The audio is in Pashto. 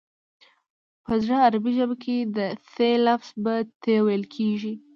په زړه عربي ژبه کې د ث لفظ په ت ویل کېږي